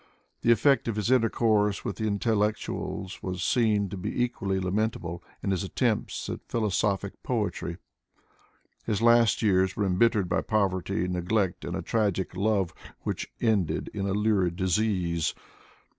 The effect of his intercourse with the intellectuals was seen to be equally lamentable in his attempts at philosophic poetry. His last years were embittered by poverty, neglect, and a tragic love which ended in a lurid disease.